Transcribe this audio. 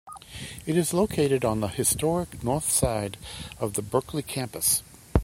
It is located on the historic north side of the Berkeley campus.